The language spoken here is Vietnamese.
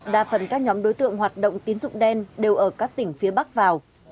đa phần các nhóm đối tượng hoạt động tiếng dũng đan đều ở các tỉnh phía bắc vào